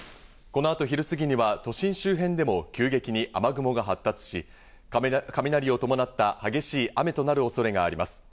この後、昼過ぎには都心周辺でも急激に雨雲が発達し、雷を伴った激しい雨となる恐れがあります。